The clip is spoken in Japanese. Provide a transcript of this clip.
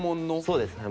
そうですね。